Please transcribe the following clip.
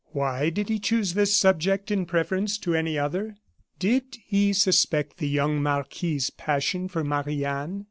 Why did he choose this subject in preference to any other? Did he suspect the young marquis's passion for Marie Anne?